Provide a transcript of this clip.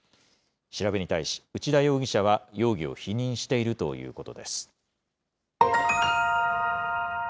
調べに対し、内田容疑者は容疑を否認しているということです。